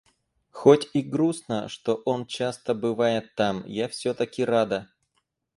Хоть и грустно, что он часто бывает там, я всё-таки рада.